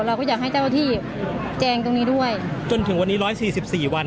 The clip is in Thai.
เราก็อยากให้เจ้าที่แจงตรงนี้ด้วยจนถึงวันนี้ร้อยสี่สิบสี่วัน